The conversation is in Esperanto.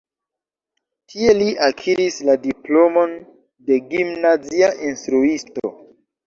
Tie li akiris la diplomon de gimnazia instruisto.